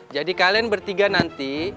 jadi kalian bertiga nanti